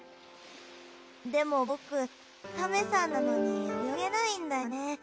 でも僕カメさんなのに泳げないんだよね。